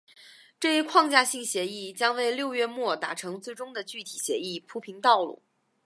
这一框架性协议将为六月末达成最终的具体协议铺平道路。